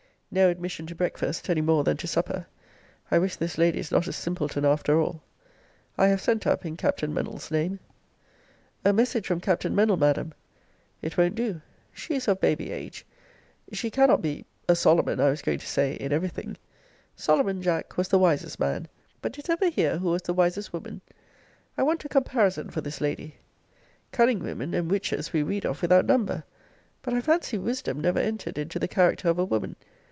No admission to breakfast, any more than to supper. I wish this lady is not a simpleton, after all. I have sent up in Captain Mennell's name. A message from Captain Mennell, Madam. It won't do. She is of baby age. She cannot be a Solomon, I was going to say, in every thing. Solomon, Jack, was the wisest man. But didst ever hear who was the wisest woman? I want a comparison for this lady. Cunning women and witches we read of without number. But I fancy wisdom never entered into the character of a woman.